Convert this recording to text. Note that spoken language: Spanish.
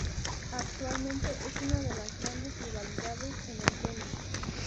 Actualmente es una de las grandes rivalidades en el tenis.